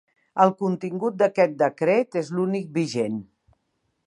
El contingut d'aquest decret és l'únic vigent.